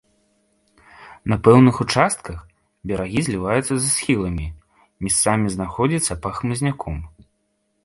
На пэўных участках берагі зліваюцца з схіламі, месцамі знаходзяцца па хмызняком.